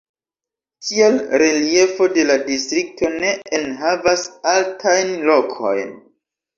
Tial reliefo de la distrikto ne enhavas altajn lokojn.